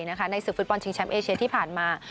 ในศึกฟุตบอลชิงแชมป์เอเชียที่ผ่านมา